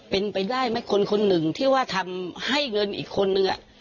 เป็นไปได้ไหมคนคนหนึ่งที่ว่าทำให้เงินอีกคนนึง